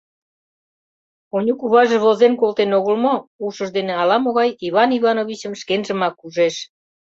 Оньыкуваже возен колтен огыл мо? — ушыж дене ала-могай Иван Ивановичым шкенжымак ужеш.